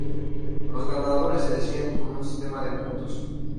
Los ganadores se deciden con un sistema de puntos.